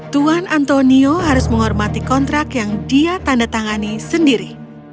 tuan antonio harus menghormati kontrak yang dia tandatangani sendiri